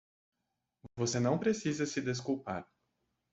Você não precisa se desculpar.